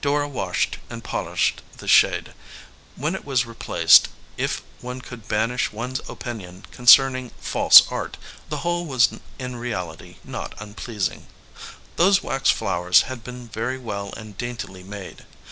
Dora washed and polished the shade. When it was replaced, if one could banish one s opinion con cerning false art, the whole was in reality not un pleasing. Those wax flowers had been very well and daintily made.